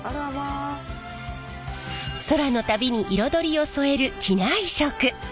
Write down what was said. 空の旅に彩りを添える機内食。